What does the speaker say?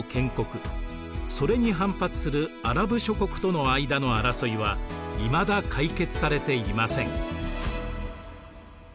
それに反発するアラブ諸国との間の争いはいまだ解決されていません。